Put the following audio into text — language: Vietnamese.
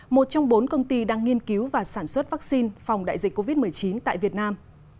một trong bốn công ty đang nghiên cứu và sản xuất vaccine phòng đại dịch covid một mươi chín tại việt nam